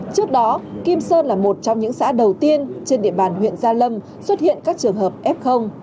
trước đó kim sơn là một trong những xã đầu tiên trên địa bàn huyện gia lâm xuất hiện các trường hợp f